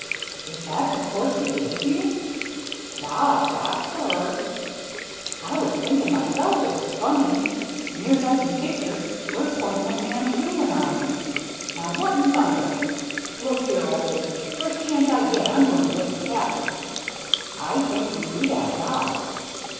" Is that the course he gave you ?" "Ya as, dat'sher." " I was thinkin' myself it was funny. Near's I can figure, we're pointin' for Manitoulin Island. Now what in thunder — Look here, Ole — first chance I get I'm goin' to wake the Cap'n." " Aye tank we do dat, ya as."